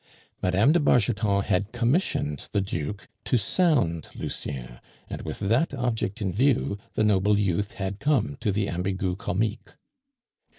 Mme. de Bargeton had commissioned the Duke to sound Lucien, and with that object in view, the noble youth had come to the Ambigu Comique.